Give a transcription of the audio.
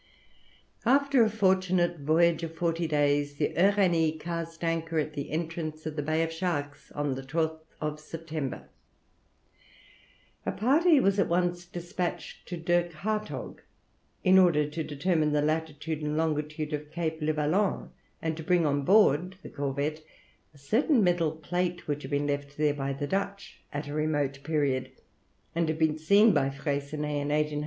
After a fortunate voyage of forty days, the Uranie cast anchor at the entrance of the Bay of Sharks on the 12th September. A party was at once despatched to Dirk Hartog, in order to determine the latitude and longitude of Cape Levaillant, and to bring on board the corvette a certain metal plate which had been left there by the Dutch at a remote period, and had been seen by Freycinet in 1801.